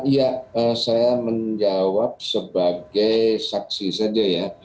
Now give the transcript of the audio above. ya saya menjawab sebagai saksi saja ya